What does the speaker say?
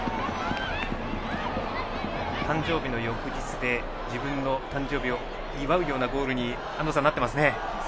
誕生日の翌日で自分の誕生日を祝うようなゴールになってますね、安藤さん。